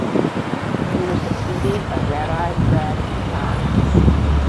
He was succeeded by Rabbi Fred Kazan.